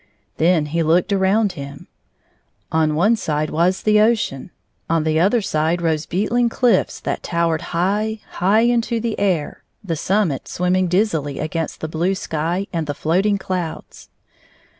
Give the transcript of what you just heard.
Then he looked around him. On one side was the ocean, on the other side rose beetling cliffs that towered high, high into the air, the summit swinmiing dizzily against the blue sky and the floating clouds.